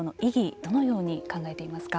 どのように考えていますか。